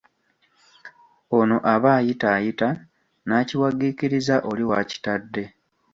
Ono aba ayitaayita, n'akigwikiriza oli w'akitadde.